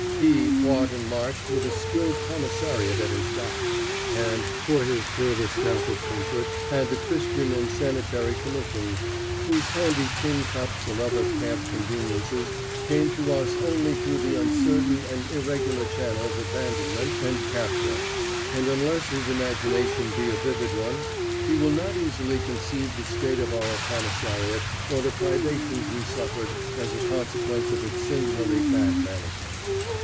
He fought and marched with a skilled commissariat at his back, and, for his further staff of comfort, had the Christian and Sanitary commissions, whose handy tin cups and other camp conveniences came to us only through the uncertain and irregular channel of abandonment and capture; and unless his imagination be a vivid one, he will not easily conceive the state of our commissariat or the privations we suffered as a consequence of its singularly bad management.